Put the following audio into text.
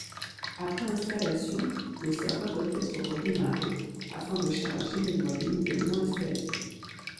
Après installation, le serveur doit être redémarré afin de charger le noyau nouvellement installé.